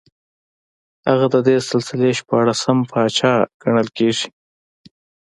هغه د دې سلسلې شپاړسم پاچا ګڼل کېږي